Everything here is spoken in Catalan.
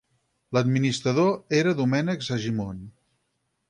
L'administrador era Domènec Segimon.